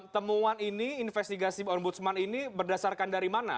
temuan ini investigasi ombudsman ini berdasarkan dari mana